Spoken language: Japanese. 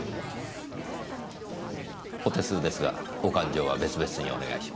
お手数ですがお勘定は別々にお願いします。